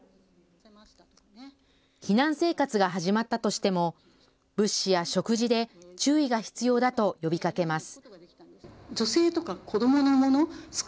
避難生活が始まったとしても物資や食事で注意が必要だと呼びかけます。